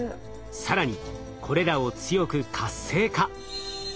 更にこれらを強く活性化。